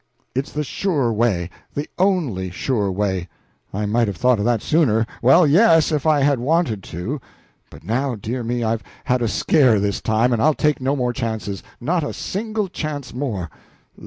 It's the sure way, and the only sure way; I might have thought of that sooner well, yes, if I had wanted to. But now dear me, I've had a scare this time, and I'll take no more chances. Not a single chance more.